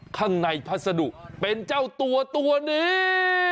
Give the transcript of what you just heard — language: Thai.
ข้างในพัสดุเป็นเจ้าตัวตัวนี้